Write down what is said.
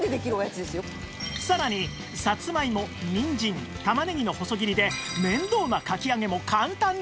さらにさつまいもにんじんたまねぎの細切りで面倒なかき揚げも簡単に！